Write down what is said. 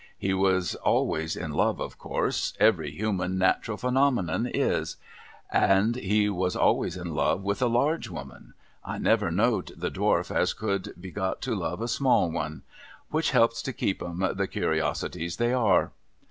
He was always in love, of course ; every human nat'ral pheno menon is. And he was always in love with a large woman ; 1 never knowed the Dwarf as could be got to love a small one. Which helps to keep 'em the Curiosities they are.